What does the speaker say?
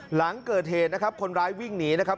หลังเกิดเหตุนะครับคนร้ายวิ่งหนีนะครับ